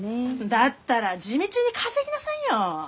だったら地道に稼ぎなさいよ！